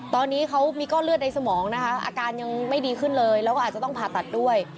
ตอนนี้เขามีก้อนเลือดในสมองนะคะอาการยังไม่ดีขึ้นเลยแล้วก็อาจจะต้องผ่าตัดด้วย